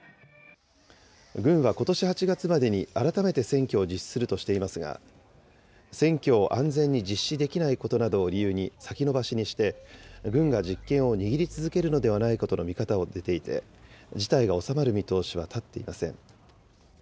軍はことし８月までに改めて選挙を実施するとしていますが、選挙を安全に実施できないことなどを理由に先延ばしにして、軍が実権を握り続けるのではないかとの見方も出ていて、事態が収まる見通しは立っていません。